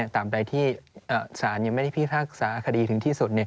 ตามใดที่สารยังไม่ได้พิพากษาคดีถึงที่สุด